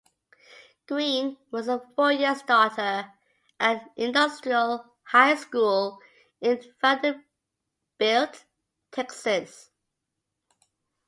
Green was a four-year starter at Industrial High School in Vanderbilt, Texas.